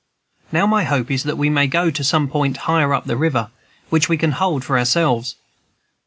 Now my hope is that we may go to some point higher up the river, which we can hold for ourselves.